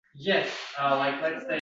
Kimdir ongiga o‘rnashib qolgan